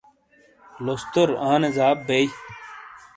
لوستورآنے زاب بئیی۔